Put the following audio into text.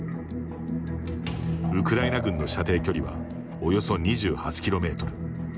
ウクライナ軍の射程距離はおよそ２８キロメートル。